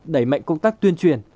đẩy mạnh công tác tuyên truyền